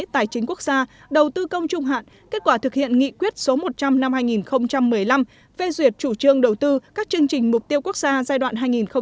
tài chính quốc gia đầu tư công trung hạn kết quả thực hiện nghị quyết số một trăm linh năm hai nghìn một mươi năm phê duyệt chủ trương đầu tư các chương trình mục tiêu quốc gia giai đoạn hai nghìn một mươi sáu hai nghìn hai mươi